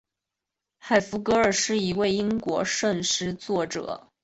海弗格尔是一位英国圣诗作者。